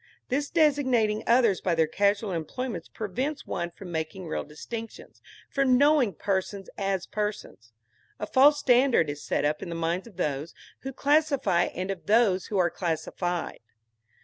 This designating others by their casual employments prevents one from making real distinctions, from knowing persons as persons. A false standard is set up in the minds of those who classify and of those who are classified.